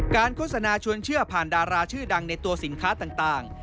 โฆษณาชวนเชื่อผ่านดาราชื่อดังในตัวสินค้าต่าง